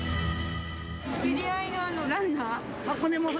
知り合いのランナー。